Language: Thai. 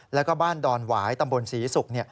แล้วก็บ้านดอนหวายตำบลศรีศุกร์